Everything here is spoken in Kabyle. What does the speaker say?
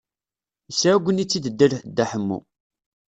Yesɛuggen-itt-id Dda Ḥemmu.